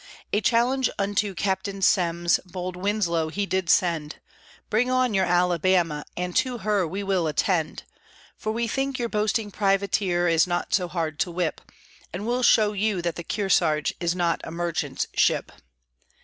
A challenge unto Captain Semmes, bold Winslow he did send! "Bring on your Alabama, and to her we will attend, For we think your boasting privateer Is not so hard to whip; And we'll show you that the Kearsarge is not a merchant ship."